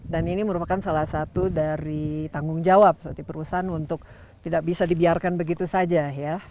dan ini merupakan salah satu dari tanggung jawab perusahaan untuk tidak bisa dibiarkan begitu saja ya